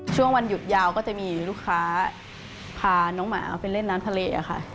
ช่วงวันหยุดยาวก็จะมีลูกค้าพาน้องหมาไปเล่นน้ำทะเลค่ะ